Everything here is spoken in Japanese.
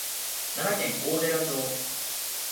奈良県王寺町